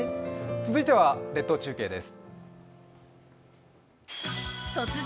続いては列島中継です。